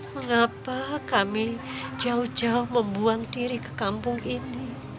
mengapa kami jauh jauh membuang diri ke kampung ini